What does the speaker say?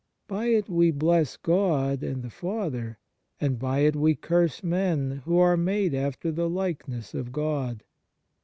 By it we bless God and the Father: and by it we curse men, who are made after the likeness of God.